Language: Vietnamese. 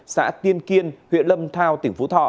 xã tiên kiên huyện lâm thao tỉnh phú thọ